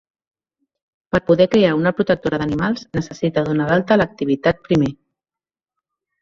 Per poder crear una protectora d'animals necessita donar d'alta l'activitat primer.